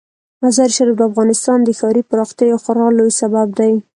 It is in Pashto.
مزارشریف د افغانستان د ښاري پراختیا یو خورا لوی سبب دی.